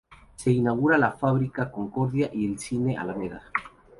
Se inaugura la fábrica La Concordia y el cine Alameda.